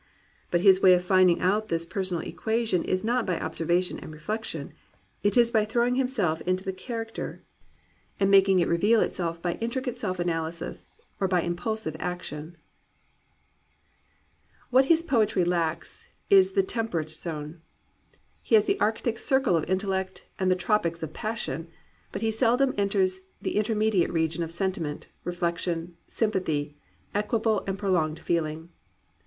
* But his way of finding out this personal equation is not by observation and reflection. It is by throw ing himself into the character and making it reveal * Epilogue to Dramatis PersoncB. 257 COMPANIONABLE BOOKS itself by intricate self analysis or by impulsive ac tion. What his poetry lacks is the temperate zone. He has the arctic circle of intellect and the tropics of passion. But he seldom enters the intermediate region of sentiment, reflection, sympathy, equable and prolonged feeling.